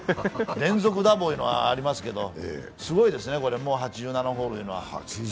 連続ダボいうのはありますけど、すごいですね、８７ホールいうのは。